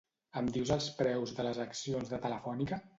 Em dius els preus de les accions de Telefònica?